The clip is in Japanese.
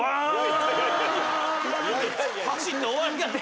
走って終わりやで。